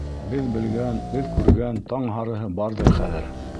— Беҙ белгән, беҙ күргән таң һарыһы барҙыр хәҙер...